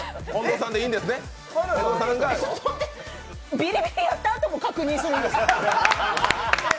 ビリビリやったあとも確認するんですか？